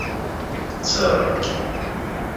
zorgi